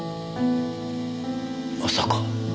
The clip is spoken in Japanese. まさか。